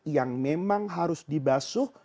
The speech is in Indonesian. yang memang harus dibasuh